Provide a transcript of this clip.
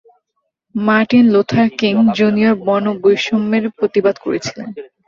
Martin Luther King Junior বর্ণবৈষম্যের প্রতিবাদ করছেন।